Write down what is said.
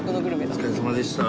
お疲れさまでした。